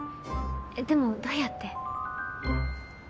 でもどうやって？